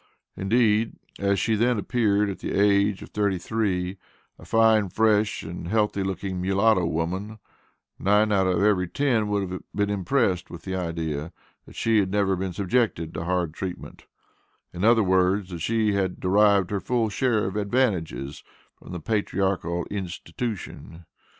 Indeed, as she then appeared at the age of thirty three, a fine, fresh, and healthy looking mulatto woman, nine out of every ten would have been impressed with the idea, that she had never been subjected to hard treatment; in other words, that she had derived her full share of advantages from the "Patriarchal Institution."